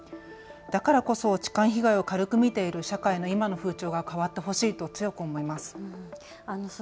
だからこそ痴漢被害を軽く見ている社会の今の風潮が変わってほしいと強く思います。